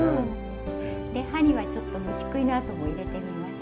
で葉にはちょっと虫食いの跡も入れてみました。